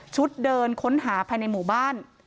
เดินค้นหาภายในหมู่บ้าน